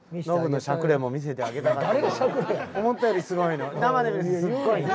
すごい！